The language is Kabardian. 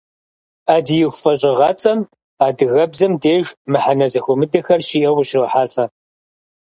«Ӏэдииху» фӀэщыгъэцӀэм адыгэбзэм деж мыхьэнэ зэхуэмыдэхэр щиӀэу ущрехьэлӀэ.